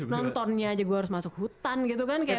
nontonnya aja gue harus masuk hutan gitu kan